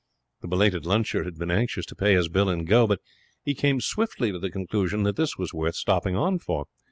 The belated luncher had been anxious to pay his bill and go, but he came swiftly to the conclusion that this was worth stopping on for.